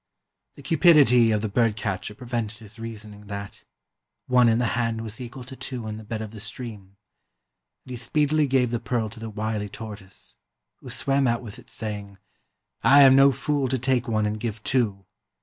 The cupidity of the bird catcher prevented his reasoning that "one in the hand was equal to two in the bed of the stream," and he speedily gave the pearl to the wily tortoise, who swam out with it saying, "I am no fool to take one and give two!"